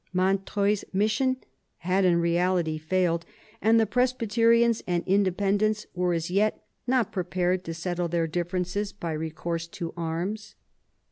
Montreuil's mission had in reality failed, and the Presbyterians and Independents were as yet not prepared to settle their differences by recourse to arms.